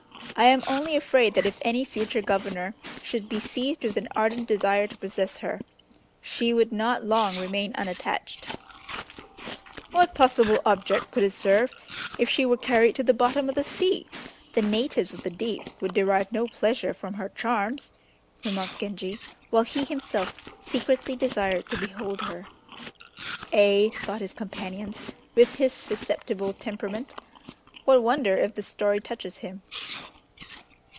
I am only afraid that if any future governor should be seized with an ardent desire to possess her, she would not long remain unattached." "What possible object could it serve if she were carried to the bottom of the sea? The natives of the deep would derive no pleasure from her charms," remarked Genji, while he himself secretly desired to behold her. "Ay," thought his companions, "with his susceptible temperament, what wonder if this story touches him."